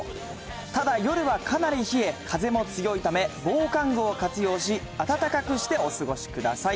ただ、夜はかなり冷え、風も強いため、防寒具を活用し、暖かくしてお過ごしください。